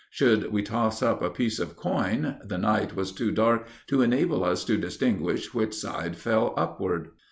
Should we toss up a piece of coin, the night was too dark to enable us to distinguish which side fell upward.